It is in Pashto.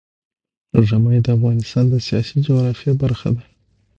ژمی د افغانستان د سیاسي جغرافیه برخه ده.